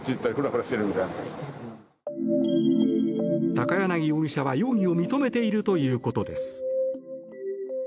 高柳容疑者は、容疑を認めているということです。